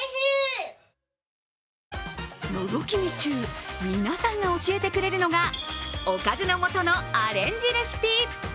のぞき見中、皆さんが教えてくれるのがおかずの素のアレンジレシピ。